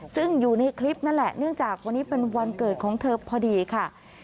ซึ่งอยู่ในคลิปนั่นแหละเนื่องจากวันนี้เป็นวันเกิดของเธอพอดีค่ะ